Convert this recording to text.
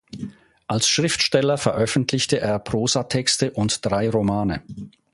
Als Schriftsteller veröffentlichte er Prosatexte und drei Romane.